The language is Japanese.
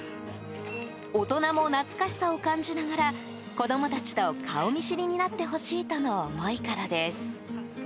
大人も懐かしさを感じながら子供たちと顔見知りになってほしいとの思いからです。